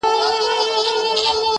او د غره لمن له لیری ورښکاره سول -